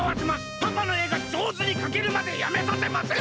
パパの絵がじょうずにかけるまでやめさせません！